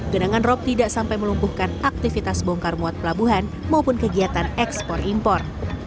genangan rop tidak sampai melumpuhkan aktivitas bongkar muat pelabuhan maupun kegiatan ekspor impor